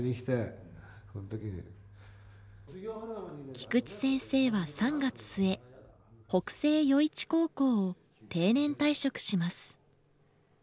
菊地先生は３月末北星余市高校を定年退職します。